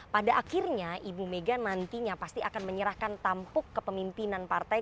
pada akhirnya ibu megan nantinya pasti akan menyerahkan tampuk ke pemimpinan partai